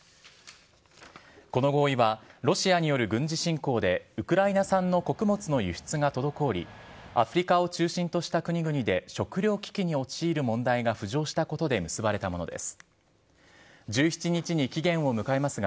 この合意は、ロシアによる軍事侵攻で、ウクライナ産の穀物の輸出が滞り、アフリカを中心とした国々で食糧危機に陥る問題が浮上したことで結ばれたものです。